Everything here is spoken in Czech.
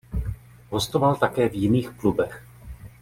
Hostoval také v jiných klubech.